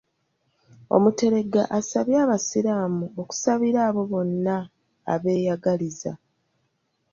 Omuteregga asabye abasiraamu okusabira abo bonna abeeyagaliza